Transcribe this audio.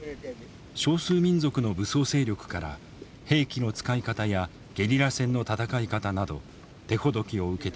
少数民族の武装勢力から兵器の使い方やゲリラ戦の戦い方など手ほどきを受けている。